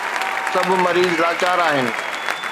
سڀ مريض لاچار آهن.